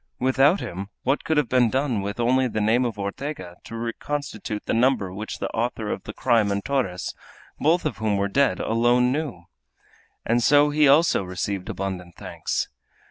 Without him what could have been done with only the name of Ortega to reconstitute the number which the author of the crime and Torres, both of whom were dead, alone knew? And so he also received abundant thanks.